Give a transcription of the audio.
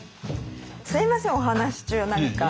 すいませんお話し中何か。